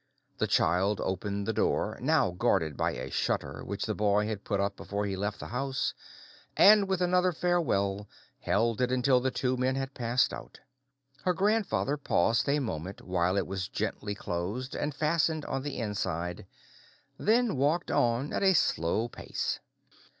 The child opened the door (now guarded by a shutter which the boy had put up before he left the house), and with another farewell, held it until the two men had passed out. Her grandfather paused a moment while it was gently closed and fastened on the inside, and then walked on at a slow pace.